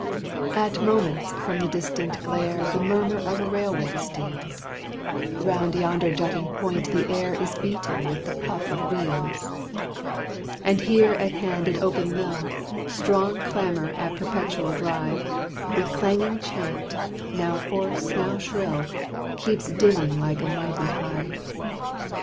At moments from the distant glare The murmur of a railway steals Round yonder jutting point the air Is beaten with the puff of wheels; And here at hand an open mill, Strong clamor at perpetual drive, With changing chant, now hoarse, now shrill, Keeps dinning like a mighty hive.